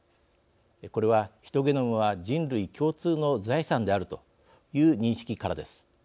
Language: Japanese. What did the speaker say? これは、ヒトゲノムは人類共通の財産であるという認識からです。